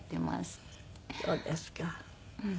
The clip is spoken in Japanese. そうですか。